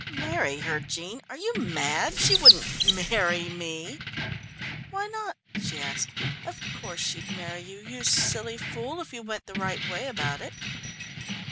"Marry her, Jean; are you mad? She wouldn't marry me." "Why not?" she asked. "Of course she'd marry you, you silly fool, if you went the right way about it."